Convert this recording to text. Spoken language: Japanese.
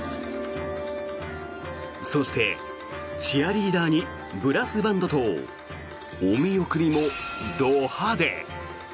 そして、チアリーダーにブラスバンドとお見送りも、ど派手。